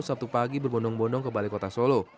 sabtu pagi berbondong bondong ke balai kota solo